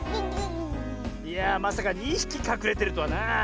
いやあまさか２ひきかくれてるとはなあ。